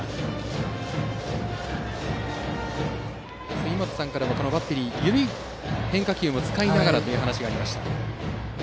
杉本さんからも、バッテリー緩い変化球も使いながらというお話がありましたが。